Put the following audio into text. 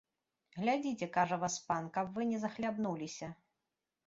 Глядзіце, кажа, васпан, каб вы не захлябнуліся.